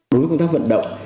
đối với công tác vận động